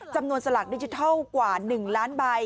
สลากดิจิทัลกว่า๑ล้านใบ